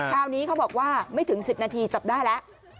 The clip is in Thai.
คราวนี้เขาบอกว่าไม่ถึง๑๐นาทีจับได้แล้ว